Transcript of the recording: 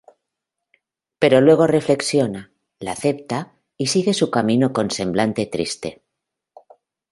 Pero luego reflexiona, la acepta y sigue su camino con semblante triste.